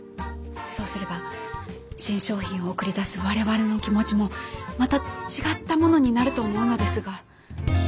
そうすれば新商品を送り出す我々の気持ちもまた違ったものになると思うのですが。